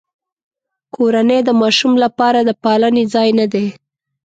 کورنۍ د ماشوم لپاره د پالنې ځای نه دی.